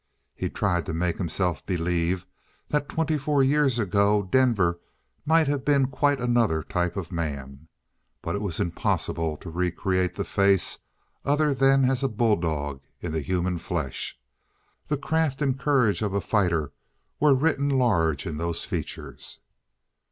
He tried to make himself believe that twenty four years ago Denver might have been quite another type of man. But it was impossible to re create that face other than as a bulldog in the human flesh. The craft and the courage of a fighter were written large in those features.